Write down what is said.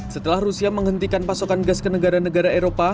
setelah rusia menghentikan pasokan gas ke negara negara eropa